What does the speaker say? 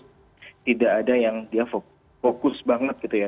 tidak ada yang dia fokus banget gitu ya